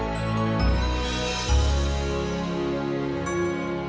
jalan rasuna said